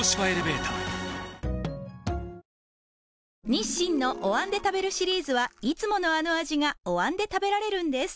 日清のお椀で食べるシリーズはいつものあの味がお椀で食べられるんです